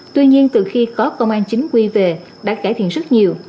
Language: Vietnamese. tuy nhiên từ khi có công an chính quy về đã cải thiện rất nhiều